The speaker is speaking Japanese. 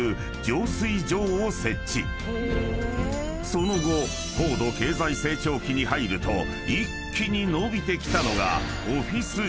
［その後高度経済成長期に入ると一気に伸びてきたのが］